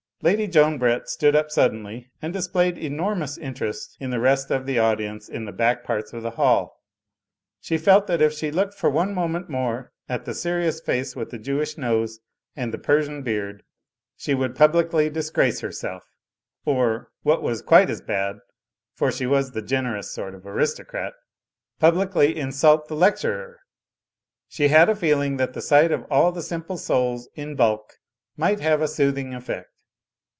Lady Joan Brett stood up suddenly and displayed enormous interest in the rest of the audience in the back parts of the hall. She felt that if she looked for one moment more at the serious face with the Jewish nose and the Persian beard, she would publicly dis grace herself; or, what was quite as bad (for she was the generous sort of aristocrat) publicly insult the lec turer. She had a feeling that the sight of all the Simple Souls in bulk might have a soothing effect.